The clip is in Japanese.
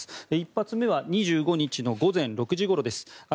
１発目は２５日の午前６時ごろです。